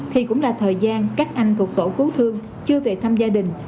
thì cũng là thời gian các anh thuộc tổ cứu thương chưa về thăm gia đình